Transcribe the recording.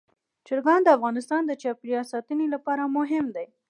چرګان د افغانستان د چاپیریال ساتنې لپاره مهم دي.